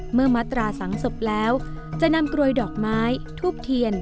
มัตราสังกแล้วจะนำกรวยดอกไม้ทูบเทียน